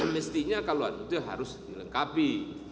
mestinya kalau itu harus dilengkapi